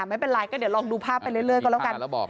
ไม่เป็นไรก็เดี๋ยวลองดูภาพไปเรื่อยก็แล้วกัน